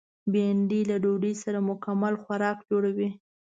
بېنډۍ له ډوډۍ سره مکمل خوراک جوړوي